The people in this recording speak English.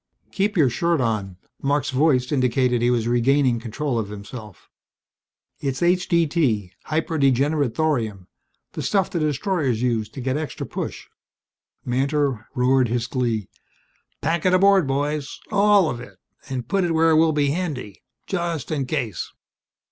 "Keep your shirt on." Marc's voice indicated he was regaining control of himself. "It's H.D.T. Hyper Degenerate Thorium the stuff the destroyers use to get extra push." Mantor roared his glee. "Pack it aboard, boys all of it! And put it where it will be handy, just in case."